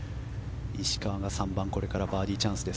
石川が３番これからバーディーチャンス。